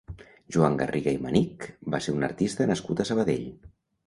Joan Garriga i Manich va ser un artista nascut a Sabadell.